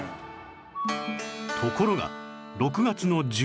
ところが６月の１６日